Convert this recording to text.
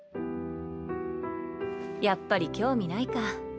やっぱり興味ないか。